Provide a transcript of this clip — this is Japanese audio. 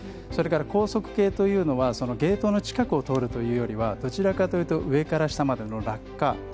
それから、高速系というのはゲートの近くを通るというよりはどちらかというと上から下への落下。